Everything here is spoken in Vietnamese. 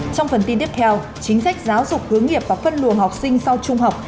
trong phần tin tiếp theo chính sách giáo dục hướng nghiệp và phân luồng học sinh sau trung học